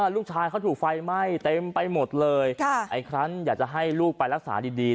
ลูกชายเขาถูกไฟไหม้เต็มไปหมดเลยไอ้ครั้นอยากจะให้ลูกไปรักษาดี